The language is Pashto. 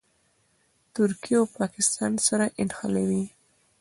ترکیه او پاکستان سره نښلوي.